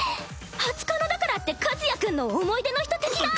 初カノだからって和也君の思い出の人的な？